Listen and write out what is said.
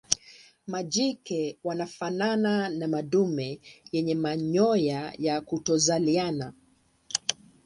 Majike wanafanana na madume yenye manyoya ya kutokuzaliana.